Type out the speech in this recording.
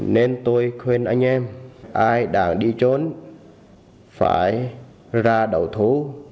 nên tôi khuyên anh em ai đang đi trốn phải ra đầu thú